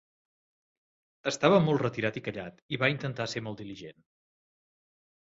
Estava molt retirat i callat, i va intentar ser molt diligent.